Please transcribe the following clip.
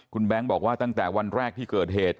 คุณแบงค์บอกว่าตั้งแต่วันแรกที่เกิดเหตุ